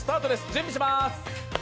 準備します。